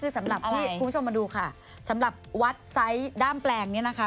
คือสำหรับที่คุณผู้ชมมาดูค่ะสำหรับวัดไซส์ด้ามแปลงเนี่ยนะคะ